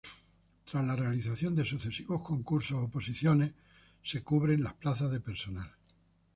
Tras la realización de sucesivos concursos-oposiciones se cubren las plazas de personal.